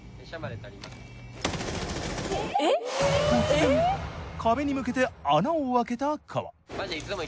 突然壁に向けて穴をあけたＫＡＷＡ。